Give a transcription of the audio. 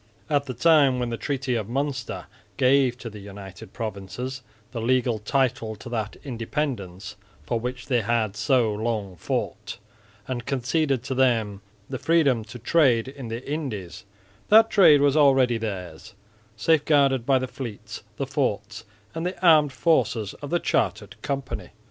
At the time when the Treaty of Münster gave to the United Provinces the legal title to that independence for which they had so long fought, and conceded to them the freedom to trade in the Indies, that trade was already theirs, safe guarded by the fleets, the forts and the armed forces of the chartered company.